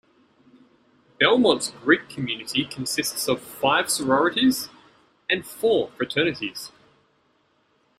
Belmont's Greek community consists of five sororities and four fraternities.